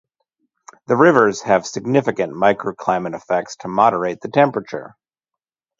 The rivers have significant microclimate effects to moderate the temperature.